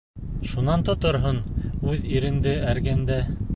Шунан тоторһоң үҙ иреңде эргәңдә!